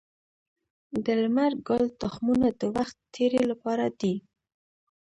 د لمر ګل تخمونه د وخت تیري لپاره دي.